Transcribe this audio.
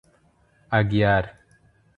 Aguiar